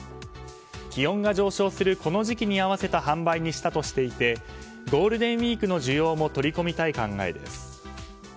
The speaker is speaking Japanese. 気温が上昇するこの時期に合わせた販売にしたとしていてゴールデンウィークの需要も取り込みたい考えです。